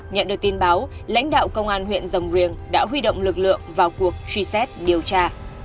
nhận được tin báo lãnh đạo công an huyện rồng riềng đã huy động lực lượng vào cuộc truy xét điều tra